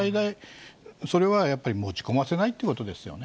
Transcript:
それはやっぱり持ち込ませないということですよね。